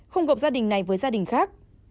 không gộp gia đình này với gia đình khác